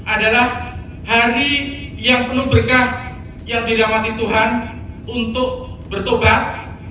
adalah hari yang penuh berkah yang dirawati tuhan untuk bertobat